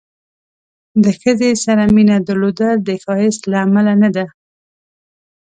د ښځې سره مینه درلودل د ښایست له امله نه ده.